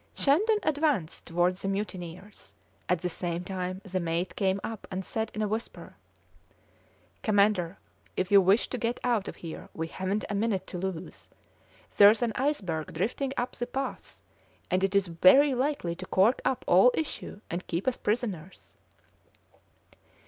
Shandon advanced towards the mutineers; at the same time the mate came up and said in a whisper: "Commander, if you wish to get out of here we haven't a minute to lose; there's an iceberg drifting up the pass, and it is very likely to cork up all issue and keep us prisoners."